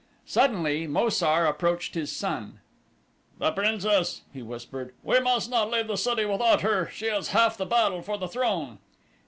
Suddenly Mo sar approached his son. "The princess," he whispered. "We must not leave the city without her she is half the battle for the throne."